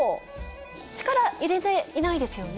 力入れていないですよね？